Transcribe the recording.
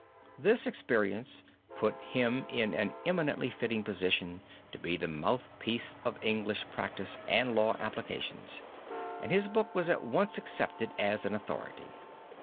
This experience put him in an eminently fitting position to be the mouthpiece of English practice and law applications, and his book was at once accepted as an authority.